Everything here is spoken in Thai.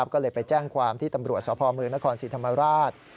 ก็เลยไปแจ้งความที่ตำรวจสพเมืองนครศรีธรรมราช